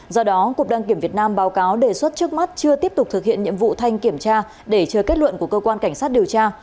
do đó cục đăng kiểm việt nam báo cáo đề xuất trước mắt chưa tiếp tục thực hiện nhiệm vụ thanh kiểm tra để chờ kết luận của cơ quan cảnh sát điều tra